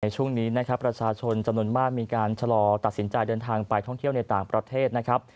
ช่วงนี้นะครับประชาชนจำนวนมากมีการชะลอตัดสินใจเดินทางไปท่องเที่ยวในต่างประเทศนะครับ